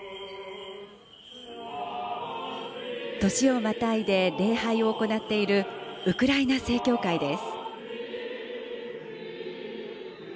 年をまたいで礼拝を行っているウクライナ正教会です。